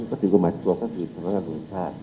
ก็ถือกันมาจากตัวก็ถือกันมากับหลวงชาติ